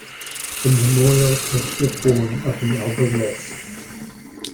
The memorial takes the form of an Obelisk.